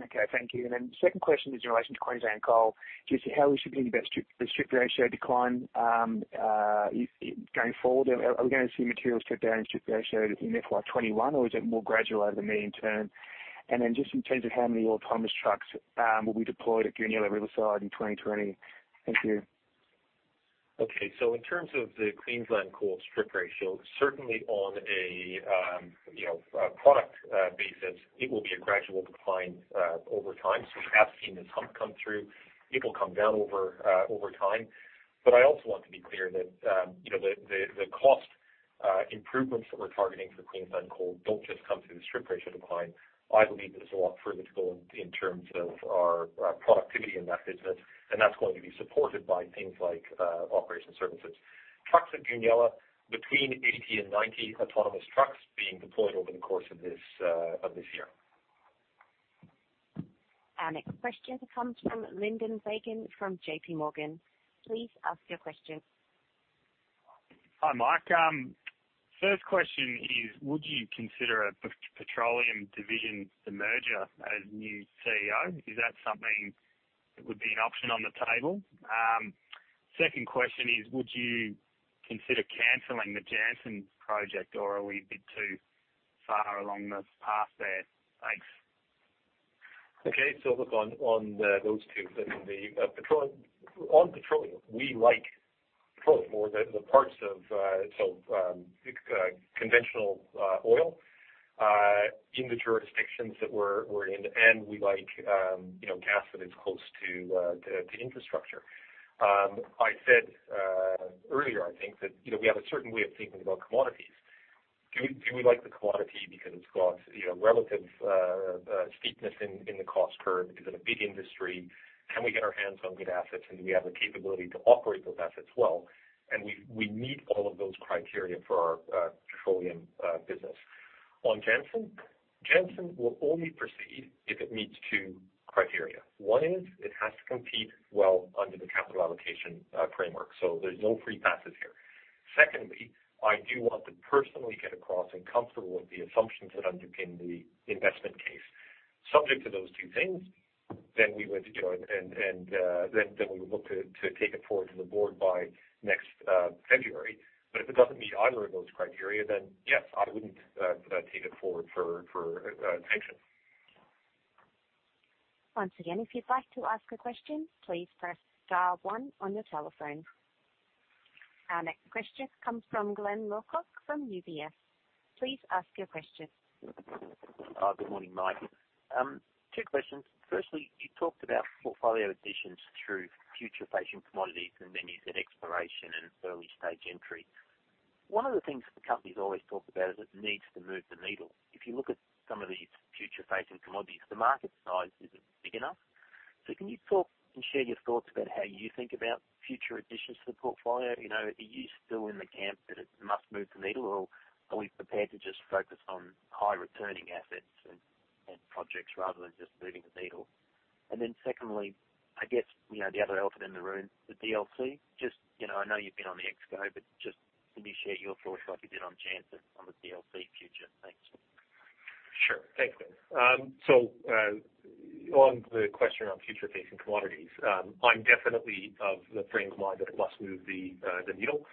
Okay. Thank you. Second question is in relation to Queensland Coal. Just how we should be thinking about the strip ratio decline going forward. Are we going to see material step down in strip ratio in FY 2021 or is it more gradual over the medium term? Just in terms of how many autonomous trucks will be deployed at Goonyella Riverside in 2020. Thank you. In terms of the Queensland Coal strip ratio, certainly on a product basis, it will be a gradual decline over time. We have seen this hump come through. It will come down over time. I also want to be clear that the cost improvements that we're targeting for Queensland Coal don't just come through the strip ratio decline. I believe there's a lot further to go in terms of our productivity in that business, and that's going to be supported by things like Operations Services. Trucks at Goonyella, between 80 and 90 autonomous trucks being deployed over the course of this year. Our next question comes from Lyndon Fagan from JPMorgan. Please ask your question. Hi, Mike. First question is, would you consider a Petroleum division demerger as new CEO? Is that something that would be an option on the table? Second question is, would you consider canceling the Jansen project, or are we a bit too far along the path there? Thanks. Okay. On those two. On petroleum, we like petroleum, or the parts of conventional oil in the jurisdictions that we're in, and we like gas that is close to infrastructure. I said earlier, I think, that we have a certain way of thinking about commodities. Do we like the commodity because it's got relative steepness in the cost curve? Is it a big industry? Can we get our hands on good assets, and do we have the capability to operate those assets well? We meet all of those criteria for our Petroleum business. On Jansen will only proceed if it meets two criteria. One is it has to compete well under the capital allocation framework. There's no free passes here. Secondly, I do want to personally get across and comfortable with the assumptions that underpin the investment case. Subject to those two things, then we would look to take it forward to the Board by next February. If it doesn't meet either of those criteria, then yes, I wouldn't take it forward for attention. Once again, if you'd like to ask a question, please press star one on your telephone. Our next question comes from Glyn Lawcock from UBS. Please ask your question. Good morning, Mike. Two questions. Firstly, you talked about portfolio additions through future-facing commodities, and then you said exploration and early-stage entry. One of the things the company's always talked about is it needs to move the needle. If you look at some of these future-facing commodities, the market size isn't big enough. Can you talk and share your thoughts about how you think about future additions to the portfolio? Are you still in the camp that it must move the needle, or are we prepared to just focus on high-returning assets and projects rather than just moving the needle? Secondly, I guess, the other elephant in the room, the DLC. I know you've been on the expo, but just maybe share your thoughts like you did on Jansen on the DLC future. Thanks. Sure. Thanks, Glyn. On the question on future-facing commodities, I'm definitely of the frame of mind that it must move the needle.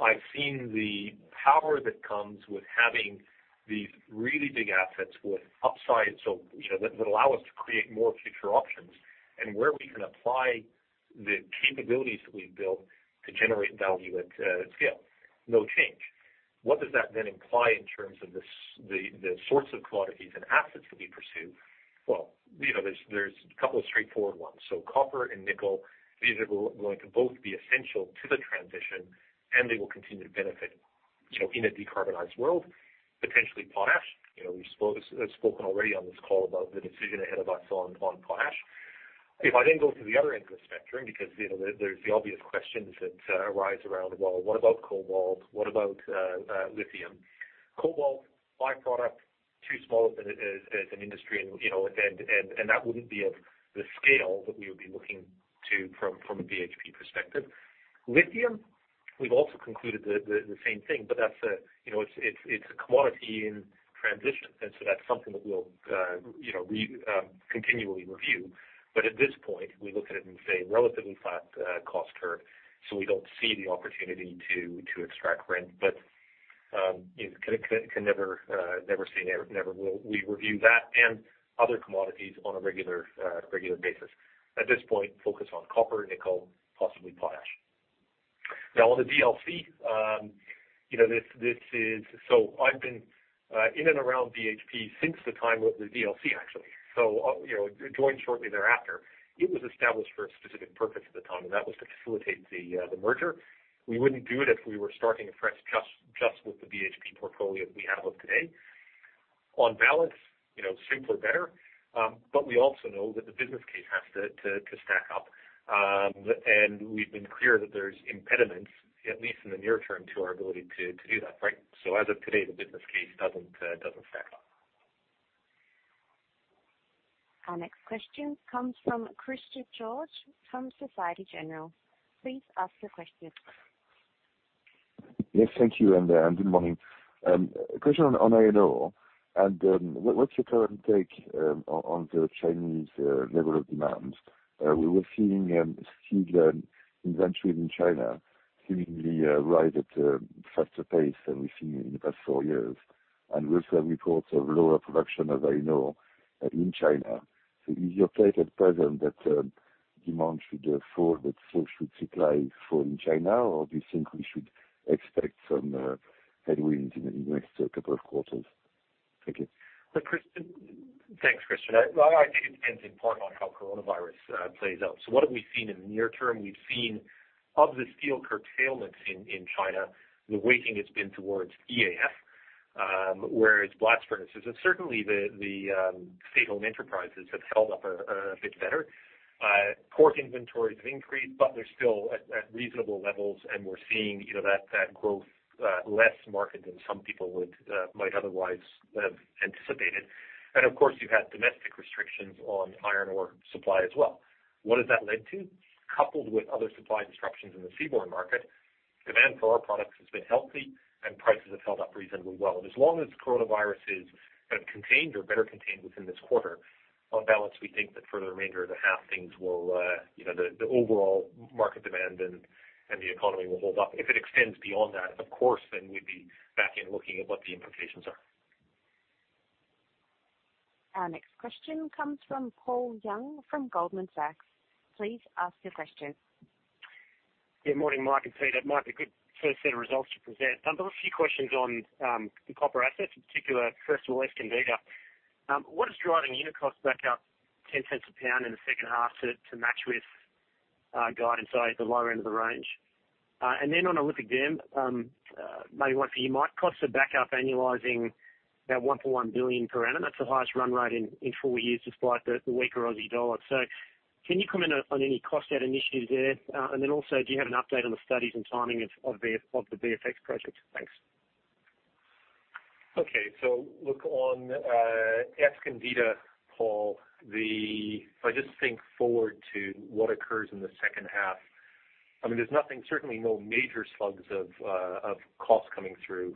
I've seen the power that comes with having these really big assets with upside, that allow us to create more future options and where we can apply the capabilities that we've built to generate value at scale. No change. What does that then imply in terms of the sorts of commodities and assets that we pursue? There's a couple of straightforward ones. Copper and nickel, these are going to both be essential to the transition, and they will continue to benefit in a decarbonized world. Potentially potash. We've spoken already on this call about the decision ahead of us on potash. I then go to the other end of the spectrum, because there's the obvious questions that arise around, well, what about cobalt? What about lithium? Cobalt, by-product, too small as an industry, and that wouldn't be at the scale that we would be looking to from a BHP perspective. Lithium, we've also concluded the same thing, but it's a commodity in transition. That's something that we continually review. At this point, we look at it and say relatively flat cost curve, so we don't see the opportunity to extract rent. Can never say never. We review that and other commodities on a regular basis. At this point, focus on copper, nickel, possibly potash. On the DLC, I've been in and around BHP since the time of the DLC, actually. Joined shortly thereafter. It was established for a specific purpose at the time, and that was to facilitate the merger. We wouldn't do it if we were starting afresh just with the BHP portfolio that we have of today. On balance, simpler, better, but we also know that the business case has to stack up. We've been clear that there's impediments, at least in the near term, to our ability to do that, right? As of today, the business case doesn't stack up. Our next question comes from Christian Georges from Société Générale. Please ask your question. Yes, thank you. Good morning. A question on iron ore, what's your current take on the Chinese level of demand? We were seeing inventory in China seemingly rise at a faster pace than we've seen in the past four years. We also have reports of lower production of iron ore in China. Is your take at present that demand should fall, but should supply fall in China? Do you think we should expect some headwinds in the next couple of quarters? Thank you. Thanks, Christian. I think it depends in part on how coronavirus plays out. What have we seen in the near term? We've seen of the steel curtailments in China, the weighting has been towards EAF, whereas blast furnaces and certainly the state-owned enterprises have held up a bit better. Port inventories have increased, but they're still at reasonable levels and we're seeing that growth less marked than some people might otherwise have anticipated. Of course, you've had domestic restrictions on iron ore supply as well. What has that led to? Coupled with other supply disruptions in the seaborne market, demand for our products has been healthy and prices have held up reasonably well. As long as coronavirus is contained or better contained within this quarter, on balance, we think that for the remainder of the half, the overall market demand and the economy will hold up. If it extends beyond that, of course, then we'd be back in looking at what the implications are. Our next question comes from Paul Young from Goldman Sachs. Please ask your question. Yeah, morning, Mike and Peter. Mike, a good first set of results to present. I've got a few questions on the copper assets, in particular, first of all, Escondida. What is driving unit costs back up $0.10 a pound in the second half to match with guidance, say, at the lower end of the range? On Olympic Dam, maybe one for you, Mike. Costs are back up annualizing about $1.1 billion per annum. That's the highest run rate in four years, despite that weaker Aussie dollar. Can you comment on any cost-out initiatives there? Do you have an update on the studies and timing of the BFX project? Thanks. Look on Escondida, Paul, if I just think forward to what occurs in the second half, there's nothing, certainly no major slugs of cost coming through.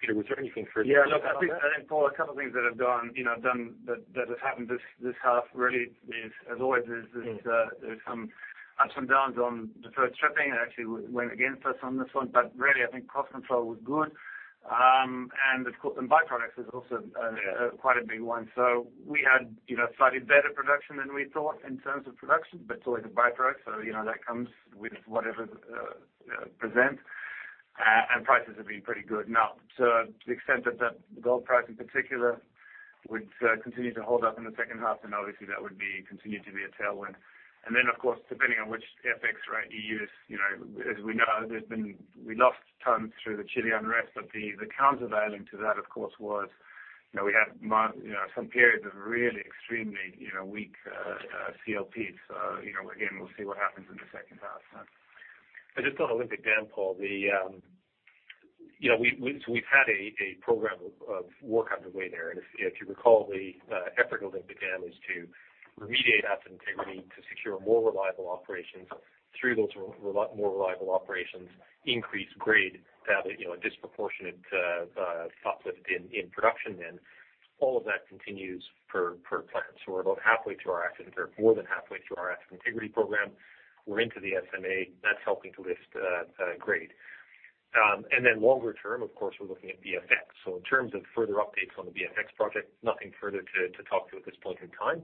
Peter, was there anything further on that? Yeah, look, I think, Paul, a couple of things that have happened this half really is, as always, there's some ups and downs on deferred stripping. It actually went against us on this one. Really, I think cost control was good. Byproducts is also quite a big one. We had slightly better production than we thought in terms of production, but slower the byproducts. That comes with whatever presents. Prices have been pretty good. Now, to the extent that the gold price, in particular, would continue to hold up in the second half, obviously that would continue to be a tailwind. Of course, depending on which FX rate you use, as we know, we lost tons through the Chile unrest, the countervailing to that, of course, was we had some periods of really extremely weak CLP. Again, we'll see what happens in the second half. Just on Olympic Dam, Paul, we've had a program of work underway there. If you recall, the effort at Olympic Dam is to remediate asset integrity, to secure more reliable operations. Through those more reliable operations, increase grade, have a disproportionate uplift in production then. All of that continues per plan. We're about halfway to our asset, or more than halfway to our asset integrity program. We're into the SMA. That's helping to lift grade. Then longer term, of course, we're looking at BFX. In terms of further updates on the BFX project, nothing further to talk to at this point in time.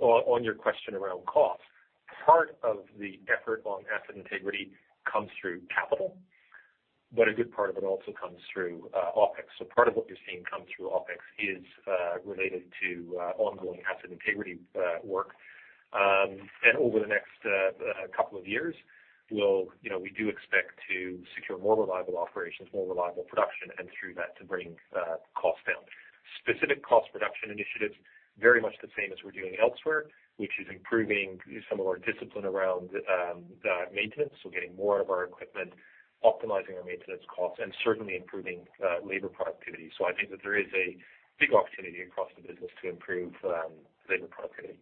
On your question around cost, part of the effort on asset integrity comes through capital, but a good part of it also comes through OpEx. Part of what you're seeing come through OpEx is related to ongoing asset integrity work. Over the next couple of years, we do expect to secure more reliable operations, more reliable production, and through that, to bring costs down. Specific cost reduction initiatives, very much the same as we're doing elsewhere, which is improving some of our discipline around maintenance. We're getting more of our equipment, optimizing our maintenance costs, and certainly improving labor productivity. I think that there is a big opportunity across the business to improve labor productivity.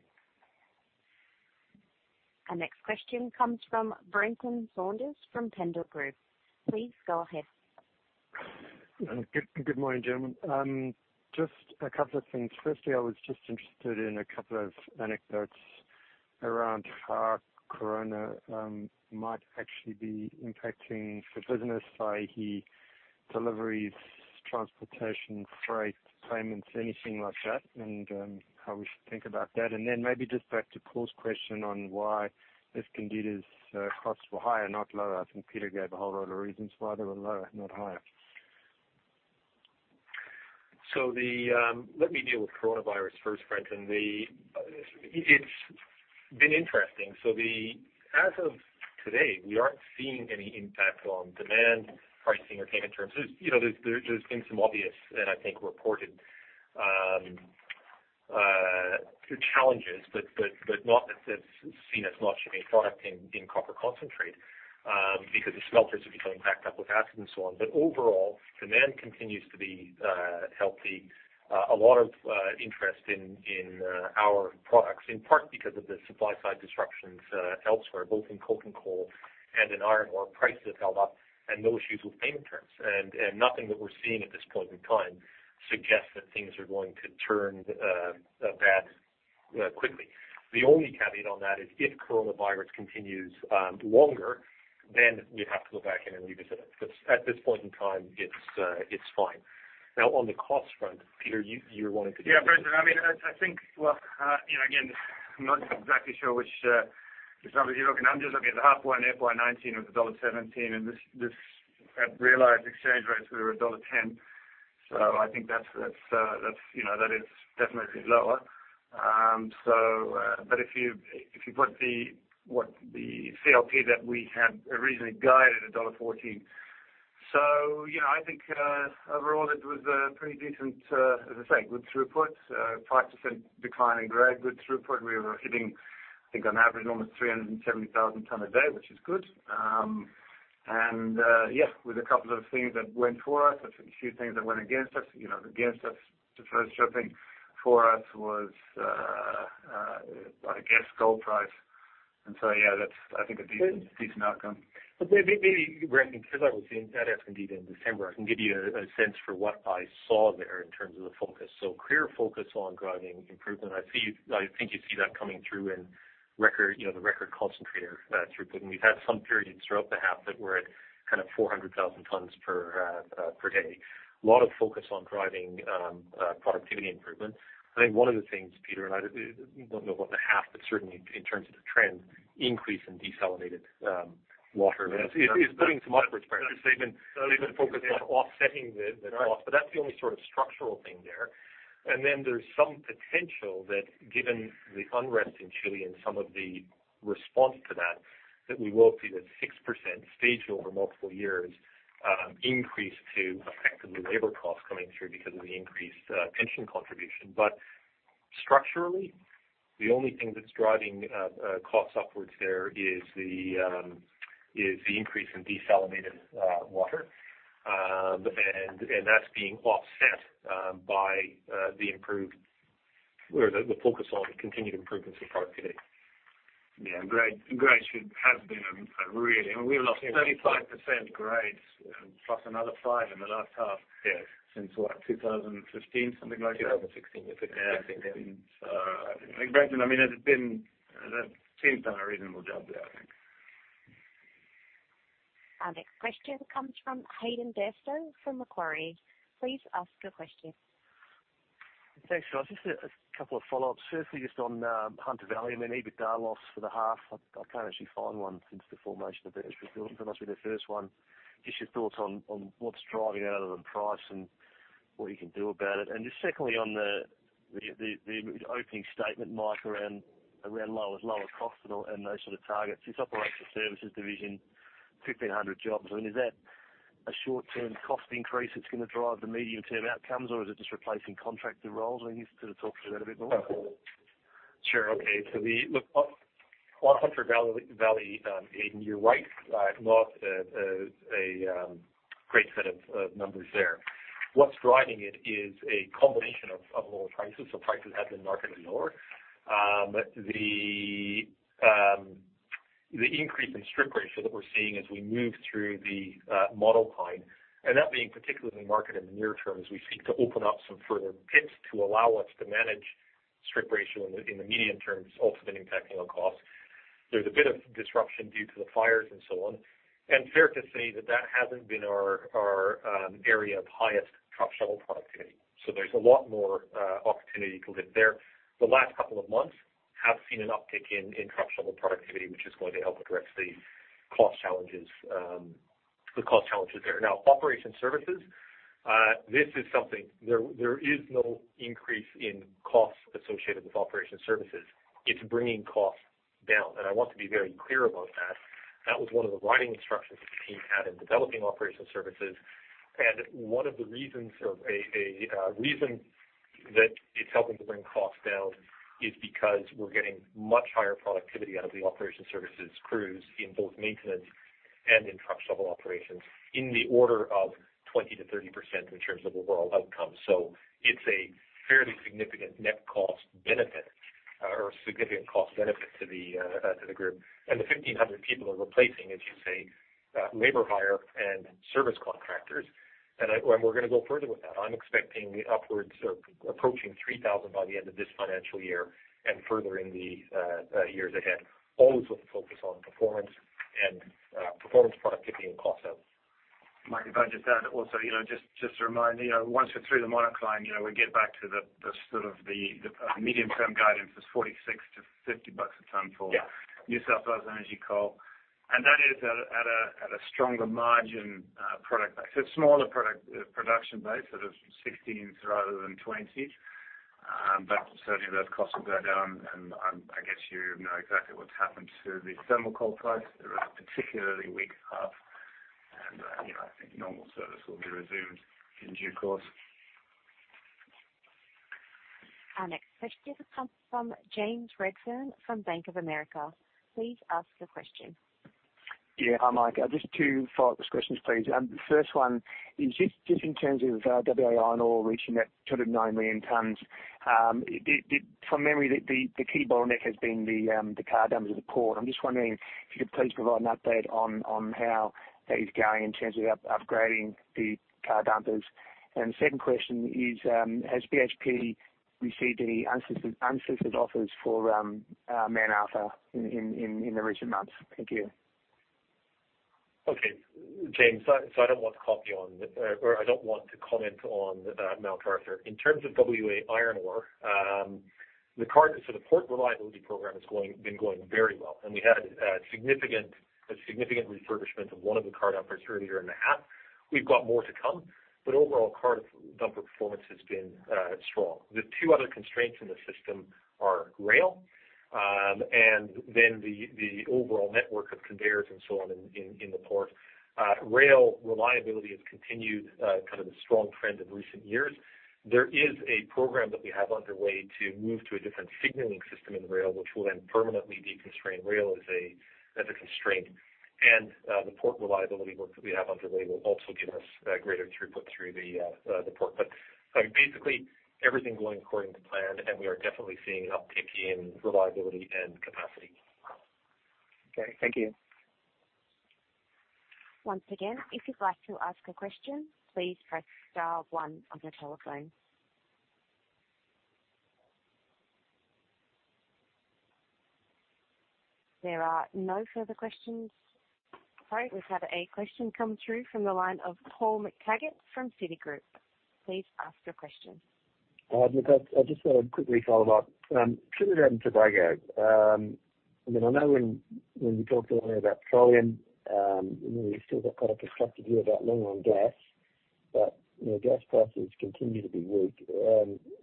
Our next question comes from Brenton Saunders from Pendal Group. Please go ahead. Good morning, gentlemen. Just a couple of things. Firstly, I was just interested in a couple of anecdotes around how corona might actually be impacting the business, i.e. deliveries, transportation, freight, payments, anything like that, and how we should think about that. Then maybe just back to Paul's question on why Escondida's costs were higher, not lower. I think Peter gave a whole lot of reasons why they were lower, not higher. Let me deal with coronavirus first, Brenton. It's been interesting. As of today, we aren't seeing any impact on demand, pricing, or payment terms. There's been some obvious, and I think reported, challenges, but not that's seen us not shipping product in copper concentrate because the smelters are becoming backed up with and so on. Overall, demand continues to be healthy. A lot of interest in our products, in part because of the supply side disruptions elsewhere, both in coking coal and in iron ore, prices have held up, and no issues with payment terms. Nothing that we're seeing at this point in time suggests that things are going to turn bad quickly. The only caveat on that is if coronavirus continues longer, then we'd have to go back in and revisit it. At this point in time, it's fine. On the cost front, Peter, you wanted to deal with that. I'm just looking at the half one, FY 2019 was $1.17, and this at realized exchange rates, we were $1.10. I think that is definitely lower. If you put the CLP that we had originally guided a $1.14. I think, overall it was a pretty decent, as I say, good throughput, 5% decline in grade, good throughput. We were hitting, I think, on average, almost 370,000 ton a day, which is good. Yeah, with a couple of things that went for us, a few things that went against us. Against us, the first thing for us was, I guess, gold price. Yeah, that's, I think, a decent outcome. Maybe, Brenton, because I was in Escondida in December, I can give you a sense for what I saw there in terms of the focus. Clear focus on driving improvement. I think you see that coming through in the record concentrator throughput, and we've had some periods throughout the half that we're at 400,000 tons per day. A lot of focus on driving productivity improvement. I think one of the things, Peter and I, don't know about the half, but certainly in terms of the trend, increase in desalinated water. It's putting some upwards pressure. They've been focused on offsetting the cost, but that's the only sort of structural thing there. There's some potential that given the unrest in Chile and some of the response to that we will see that 6% staged over multiple years increase to effectively labor costs coming through because of the increased pension contribution. Structurally, the only thing that's driving costs upwards there is the increase in desalinated water. That's being offset by the focus on the continued improvements in productivity. Yeah. Grades has been a really I mean, we lost 35% grades, plus another 5% in the last half. Yes. Since what, 2015, something like that? 2016, I think. Yeah. Brenton, I mean, the team's done a reasonable job there, I think. Our next question comes from Hayden Bairstow from Macquarie. Please ask your question. Thanks, guys. Firstly, just on Hunter Valley and then EBITDA loss for the half. I can't actually find one since the formation of BHP. That must be the first one. Just your thoughts on what's driving that other than price and what you can do about it. Secondly, on the opening statement, Mike, around lower cost and those sort of targets. This Operations Services division, 1,500 jobs. I mean, is that a short-term cost increase that's going to drive the medium-term outcomes, or is it just replacing contractor roles? I mean, can you sort of talk through that a bit more? Sure. Okay. Look, on Hunter Valley, Hayden, you're right. Not a great set of numbers there. What's driving it is a combination of lower prices, so prices have been markedly lower. The increase in strip ratio that we're seeing as we move through the monocline, and that being particularly the market in the near term, as we seek to open up some further pits to allow us to manage strip ratio in the medium term, ultimately impacting on costs. There's a bit of disruption due to the fires and so on. And fair to say that that hasn't been our area of highest truck shovel productivity. So there's a lot more opportunity to lift there. The last couple of months have seen an uptick in truck shovel productivity, which is going to help address the cost challenges there. Operations Services, there is no increase in costs associated with Operations Services. It's bringing costs down, and I want to be very clear about that. That was one of the writing instructions the team had in developing Operations Services. One of the reasons that it's helping to bring costs down is because we're getting much higher productivity out of the Operations Services crews in both maintenance and in truck shovel operations in the order of 20%-30% in terms of overall outcome. It's a fairly significant net cost benefit or significant cost benefit to the group. The 1,500 people are replacing, as you say, labor hire and service contractors. We're going to go further with that. I'm expecting upwards of approaching 3,000 by the end of this financial year and further in the years ahead. Always with a focus on performance and performance productivity and cost out. Mike, if I can just add also, just a reminder, once we're through the monocline, we get back to the sort of the medium-term guidance is $46-$50 a ton. New South Wales energy coal. That is at a stronger margin product base. It's smaller production base, sort of 16s rather than 20s. Certainly those costs will go down, and I guess you know exactly what's happened to the thermal coal price. There was a particularly weak half, and I think normal service will be resumed in due course. Our next question comes from James Redfern from Bank of America. Please ask your question. Yeah. Hi, Mike. Just two focus questions, please. The first one is just in terms of WA Iron Ore reaching that 290 million tons. From memory, the key bottleneck has been the car dumpers at the port. I'm just wondering if you could please provide an update on how that is going in terms of upgrading the car dumpers. The second question is, has BHP received any unsolicited offers for Mount Arthur in the recent months? Thank you. Okay, James. I don't want to comment on Mount Arthur. In terms of WA Iron Ore, the port reliability program has been going very well, and we had a significant refurbishment of one of the car dumpers earlier in the half. We've got more to come, but overall car dumper performance has been strong. The two other constraints in the system are rail, and then the overall network of conveyors and so on in the port. Rail reliability has continued kind of the strong trend of recent years. There is a program that we have underway to move to a different signaling system in rail, which will then permanently deconstrain rail as a constraint. The port reliability work that we have underway will also give us greater throughput through the port. Basically, everything going according to plan, and we are definitely seeing an uptick in reliability and capacity. Okay, thank you. Once again, if you'd like to ask a question, please press star one on your telephone. There are no further questions. Sorry, we've had a question come through from the line of Paul McTaggart from Citigroup. Please ask your question. Hi, Mike. I just had a quick follow-up on Trinidad and Tobago. I know when you talked earlier about Petroleum, we've still got quite a constructive view about long on gas. Gas prices continue to be weak.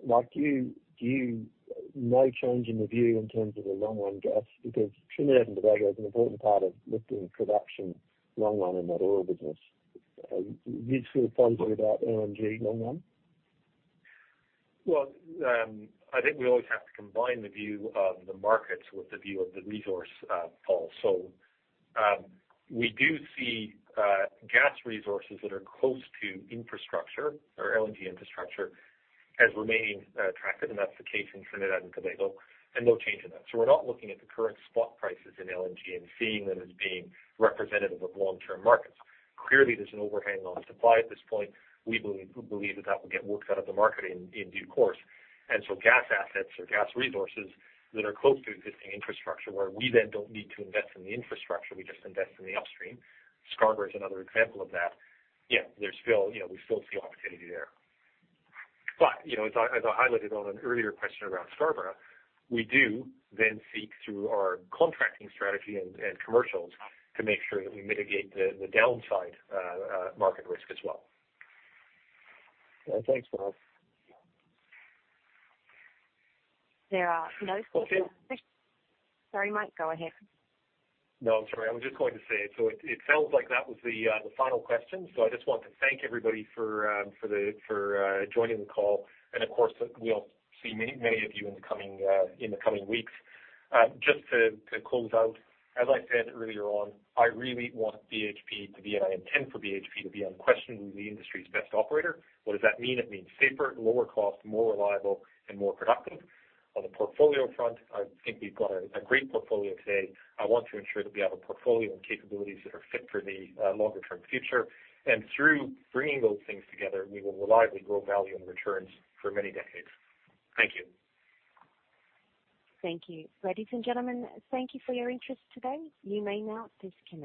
Mike, do you no change in the view in terms of the long on gas? Trinidad and Tobago is an important part of lifting production long on in that oil business. Are you still positive about LNG long on? Well, I think we always have to combine the view of the markets with the view of the resource, Paul. We do see gas resources that are close to infrastructure or LNG infrastructure as remaining attractive, and that's the case in Trinidad and Tobago, and no change in that. We're not looking at the current spot prices in LNG and seeing them as being representative of long-term markets. Clearly, there's an overhang on supply at this point. We believe that will get worked out of the market in due course. Gas assets or gas resources that are close to existing infrastructure, where we then don't need to invest in the infrastructure, we just invest in the upstream. Scarborough is another example of that. Yeah, we still see opportunity there. As I highlighted on an earlier question around Scarborough, we do then seek through our contracting strategy and commercials to make sure that we mitigate the downside market risk as well. Well, thanks, Mike. There are no further que. Okay. Sorry, Mike, go ahead. I'm sorry. I was just going to say, it sounds like that was the final question. I just want to thank everybody for joining the call, and of course, we'll see many of you in the coming weeks. Just to close out, as I said earlier on, I really want BHP to be, and I intend for BHP to be unquestionably the industry's best operator. What does that mean? It means safer, lower cost, more reliable, and more productive. On the portfolio front, I think we've got a great portfolio today. I want to ensure that we have a portfolio and capabilities that are fit for the longer-term future. Through bringing those things together, we will reliably grow value and returns for many decades. Thank you. Thank you. Ladies and gentlemen, thank you for your interest today. You may now disconnect.